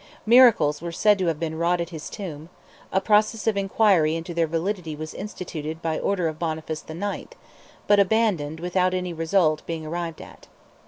Miracles were said to have been wrought at his tomb; a process of inquiry into their validity was instituted by order of Boniface IX., but abandoned without any result being arrived at.